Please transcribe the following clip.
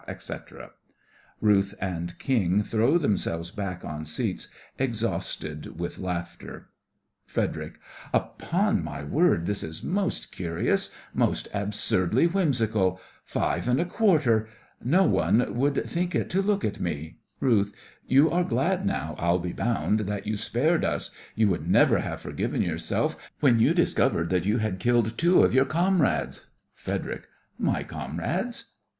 ha! ha! ha! ha! ha! ha!, etc. (RUTH and KING throw themselves back on seats, exhausted with laughter) FREDERIC: Upon my word, this is most curious— most absurdly whimsical. Five and a quarter! No one would think it to look at me! RUTH: You are glad now, I'll be bound, that you spared us. You would never have forgiven yourself when you discovered that you had killed two of your comrades. FREDERIC: My comrades?